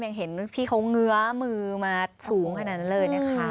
ยังเห็นพี่เขาเงื้อมือมาสูงขนาดนั้นเลยนะคะ